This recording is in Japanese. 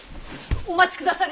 お待ちくだされ！